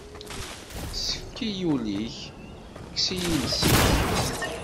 Ẓefk-iyi ul-ik, kkes-iyi iles-ik.